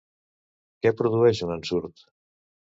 Què produeix un ensurt?